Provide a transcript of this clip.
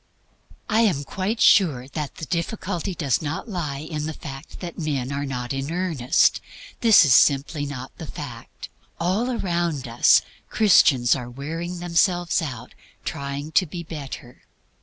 I am quite sure that the difficulty does not lie in the fact that men are not in earnest. This is simply not the fact. All around us Christians are wearing themselves out in trying to be better.